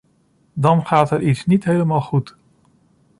Dan gaat er iets niet helemaal goed.